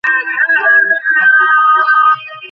Samsung ভবিষ্যতে উদ্ভাবনী smartphone তৈরিতে কাজ করে যাবে।